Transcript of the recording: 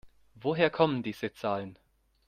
Woher kommen diese Zahlen?